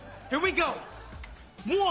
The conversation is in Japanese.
でも。